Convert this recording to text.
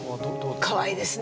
かわいいですね。